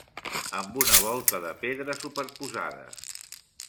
Amb una volta de pedra superposada.